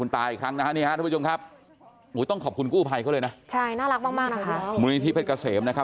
ต้องขอบคุณกู้ภัยเขาเลยนะใช่น่ารักมากนะคะมูลนิธิเศษเกษมนะครับ